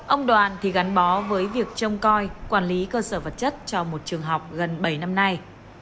ông đoàn thì gắn bó với việc trông coi quản lý cơ sở vật chất cho một trường học gần bảy năm nay